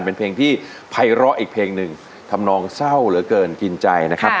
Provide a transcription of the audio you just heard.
เป็นเพลงที่ภัยร้ออีกเพลงหนึ่งทำนองเศร้าเหลือเกินกินใจนะครับ